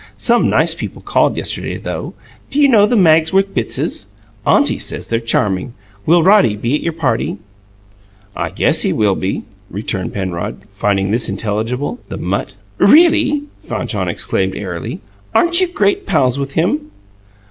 Some nice people called yesterday, though. Do you know the Magsworth Bittses? Auntie says they're charming. Will Roddy be at your party?" "I guess he will," returned Penrod, finding this intelligible. "The mutt!" "Really!" Fanchon exclaimed airily. "Aren't you great pals with him?"